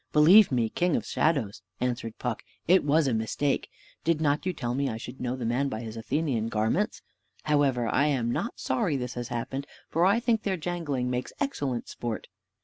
"Believe me, king of shadows," answered Puck, "it was a mistake; did not you tell me I should know the man by his Athenian garments? However, I am not sorry this has happened, for I think their jangling makes excellent sport."